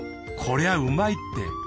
こりゃうまいって。